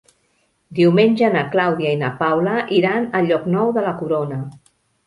Diumenge na Clàudia i na Paula iran a Llocnou de la Corona.